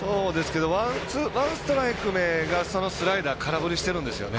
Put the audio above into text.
ワンストライク目がスライダー空振りしているんですよね